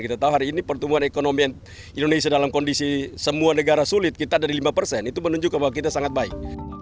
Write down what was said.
kita tahu hari ini pertumbuhan ekonomi indonesia dalam kondisi semua negara sulit kita dari lima persen itu menunjukkan bahwa kita sangat baik